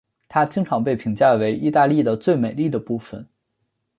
它经常被评价为意大利的最美丽的部分。